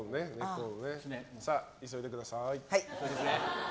急いでください。